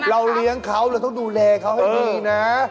เราเลี้ยงเขาเราต้องดูแลเขาให้ดีนะ